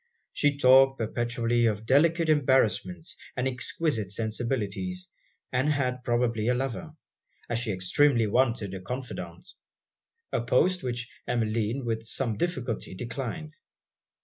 She talked perpetually of delicate embarrassments and exquisite sensibilities, and had probably a lover, as she extremely wanted a confidant; a post which Emmeline with some difficulty declined.